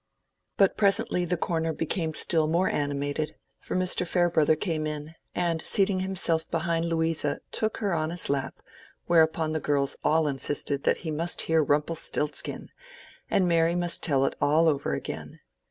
But presently the corner became still more animated, for Mr. Farebrother came in, and seating himself behind Louisa, took her on his lap; whereupon the girls all insisted that he must hear Rumpelstiltskin, and Mary must tell it over again.